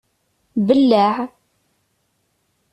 Belleɛ!